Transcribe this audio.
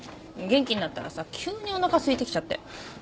元気になったらさ急におなかすいてきちゃって。